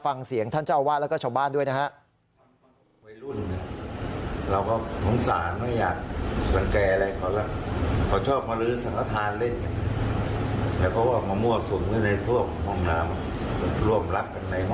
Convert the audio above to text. ฟังเสียงท่านเจ้าอาวาสแล้วก็ชาวบ้านด้วยนะฮะ